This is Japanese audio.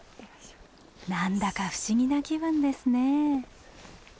何だか不思議な気分ですねえ。